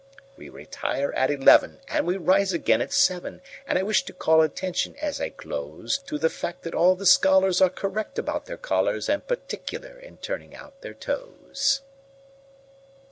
We retire at eleven, And we rise again at seven; And I wish to call attention, as I close, To the fact that all the scholarsAre correct about their collars, And particular in turning out their toes.